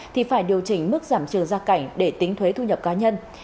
thì phải điều chỉnh mức giảm trừ gia cảnh để tính thuế thu nhập cá nhân